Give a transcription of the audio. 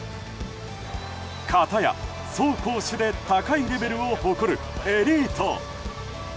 片や、走攻守で高いレベルを誇るエリート。